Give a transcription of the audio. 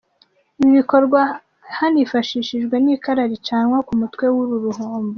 Ibi bikorwa hanifashishijwe n’ikara ricanwa ku mutwe w’uru ruhombo.